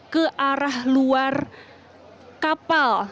ke arah luar kapal